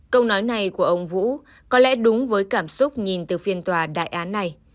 câu nói này của ông vũ có lẽ đúng với cảm xúc nhìn từ phiên tòa đại án này